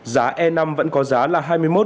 giá e năm vẫn có giá là hai mươi một ba trăm năm mươi